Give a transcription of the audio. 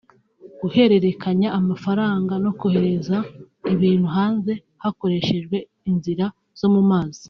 guhererekanya amafaranga no kohereza ibintu hanze hakoreshejwe inzira zo mu mazi